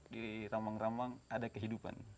di ramang ramang ada kehidupan